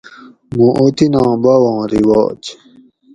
مُوں اوطِناں باواں رواج